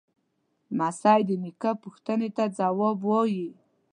لمسی د نیکه پوښتنې ته ځواب وايي.